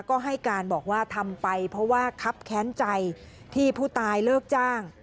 ก็ให้การบอกว่าทำไปเพราะว่าคับแค้นใจที่ผู้ตายเลิกจ้าง